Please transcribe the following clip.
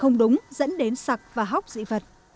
không đúng dẫn đến sặc và hóc dị vật